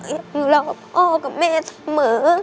ยังรอพ่อกับแม่เสมอ